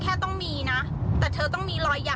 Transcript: กินให้ดูเลยค่ะว่ามันปลอดภัย